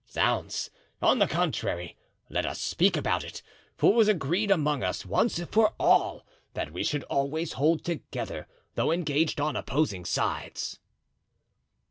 "Zounds! on the contrary, let us speak about it; for it was agreed among us, once for all, that we should always hold together, though engaged on opposing sides."